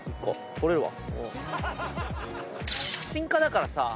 撮れるわ。